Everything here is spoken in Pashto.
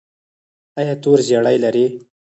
ایا تور زیړی لرئ؟